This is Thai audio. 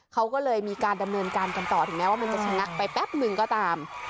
เขาก็เลยมีการดำเนินการกันต่อถึงแม้ว่ามันจะชะงักไปแป๊บหนึ่งก็ตาม